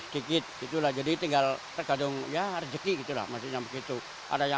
sedikit gitu lah jadi tinggal tergadung ya rezeki gitu lah maksudnya begitu ada yang